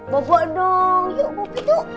bobo dong yuk bobi tuh